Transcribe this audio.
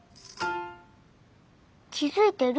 気付いてる？